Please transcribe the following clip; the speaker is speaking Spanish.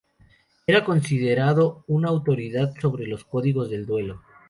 Era considerado una autoridad sobre los códigos del duelo.